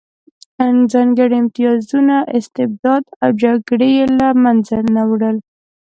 ځانګړي امتیازونه، استبداد او جګړې یې له منځه نه وړل